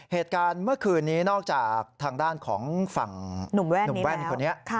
เหตุการณ์เมื่อคืนนี้นอกจากทางด้านของฝั่งหนุ่มแว่นคนนี้